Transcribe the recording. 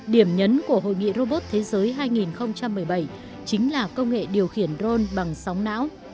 điểm nhấn của hội nghị robot thế giới hai nghìn một mươi bảy chính là công nghệ điều khiển ron bằng sóng não